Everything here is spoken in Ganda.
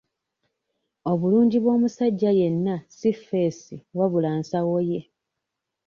Obulungi bw'omusajja yenna si ffeesi wabula nsawo ye.